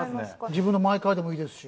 自分のマイカーでもいいですし。